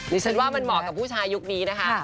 ดิฉันว่ามันเหมาะกับผู้ชายยุคนี้นะคะ